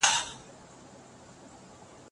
مظلوم باید وساتل سي.